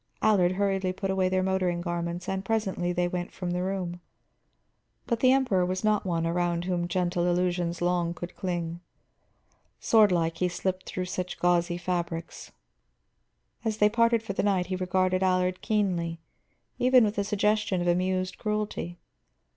Allard hurriedly put away their motoring garments, and presently they went from the room. But the Emperor was not one around whom gentle illusions long could cling; sword like he slipped through such gauzy fabrics. As they parted for the night he regarded Allard keenly, with even a suggestion of amused cruelty.